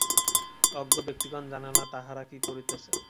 অজ্ঞ ব্যক্তিগণ জানে না, তাহারা কি করিতেছে।